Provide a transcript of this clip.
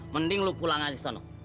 mending lo pulang aja ke sana